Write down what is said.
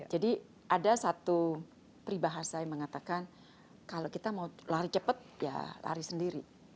jadi ada satu peribahasa yang mengatakan kalau kita mau lari cepat ya lari sendiri